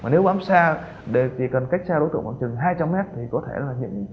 nếu bám xa chỉ cần cách xa đối tượng khoảng chừng hai trăm linh m thì có thể là